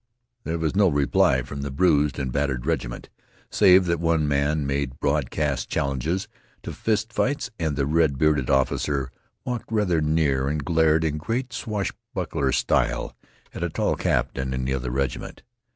There was no reply from the bruised and battered regiment, save that one man made broadcast challenges to fist fights and the red bearded officer walked rather near and glared in great swashbuckler style at a tall captain in the other regiment.